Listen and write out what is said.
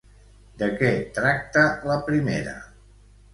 De què tracta la primera?